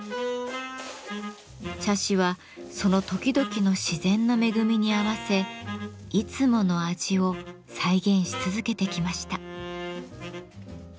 茶師はその時々の自然の恵みに合わせいつもの味を再現し続けてきました。